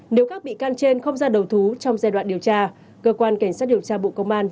nếu các bị can trên không ra đầu thú trong giai đoạn điều tra cơ quan cảnh sát điều tra bộ công an